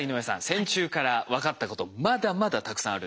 線虫から分かったことまだまだたくさんあるんです。